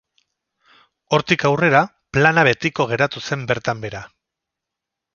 Hortik aurrera plana betiko geratu zen bertan behera.